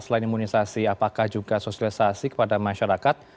selain imunisasi apakah juga sosialisasi kepada masyarakat